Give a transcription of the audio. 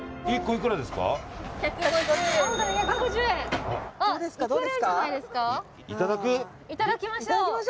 いただきましょう！